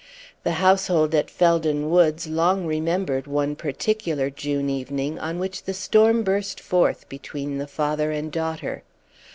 The household at Felden Woods long remembered one particular June evening on which the storm burst forth between the father and daughter.